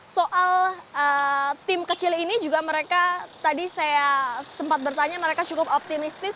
soal tim kecil ini juga mereka tadi saya sempat bertanya mereka cukup optimistis